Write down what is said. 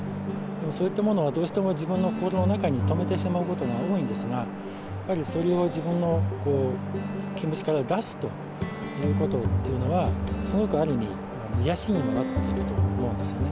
そういったものはでも自分の心の中に止めてしまうことが多いんですが、やはりそれを自分の気持ちから出すということというのは、すごくある意味、癒やしにもなってると思うんですね。